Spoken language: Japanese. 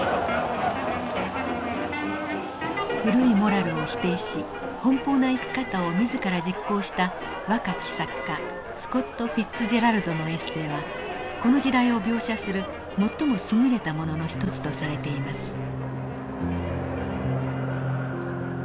古いモラルを否定し奔放な生き方を自ら実行した若き作家スコット・フィッツジェラルドのエッセーはこの時代を描写する最もすぐれたものの一つとされています。